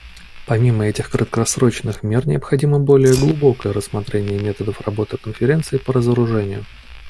Помимо этих краткосрочных мер, необходимо более глубокое рассмотрение методов работы Конференции по разоружению.